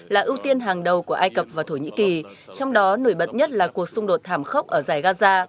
là ưu tiên hàng đầu của ai cập và thổ nhĩ kỳ trong đó nổi bật nhất là cuộc xung đột thảm khốc ở giải gaza